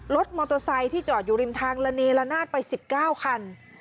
รถมอเตอร์ไซค์ที่จอดอยู่ริมทางละเนละนาดไป๑๙คัน